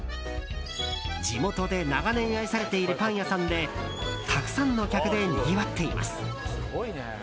地元で長年愛されているパン屋さんでたくさんの客でにぎわっています。